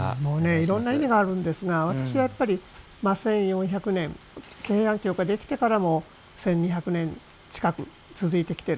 いろんな意味があるんですが私はやっぱり１４００年平安京ができてからも１２００年近く続いてきている。